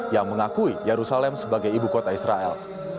yang mengakui yerusalem sebagai ibu kota israel